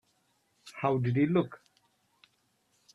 How did he look?